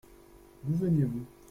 D’où venez-vous ?